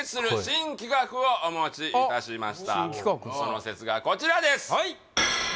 新企画その説がこちらです